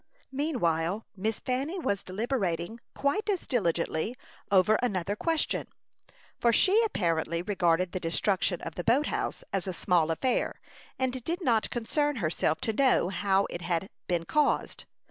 Meanwhile, Miss Fanny was deliberating quite as diligently over another question; for she apparently regarded the destruction of the boat house as a small affair, and did not concern herself to know how it had been caused.